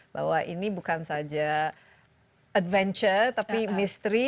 bahwa ini bukan saja adventure tapi misteri